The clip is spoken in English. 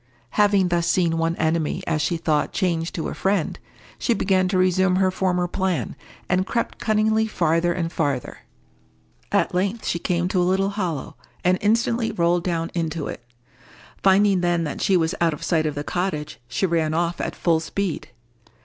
Having thus seen one enemy, as she thought, changed to a friend, she began to resume her former plan, and crept cunningly farther and farther. At length she came to a little hollow, and instantly rolled down into it. Finding then that she was out of sight of the cottage, she ran off at full speed.